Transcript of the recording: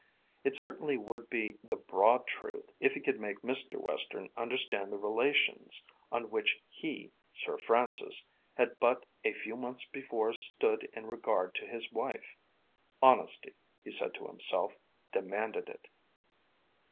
It certainly would be the "broad truth" if he could make Mr. Western understand the relations on which he, Sir Francis, had but a few months before stood in regard to his wife. "Honesty," he said to himself, "demanded it."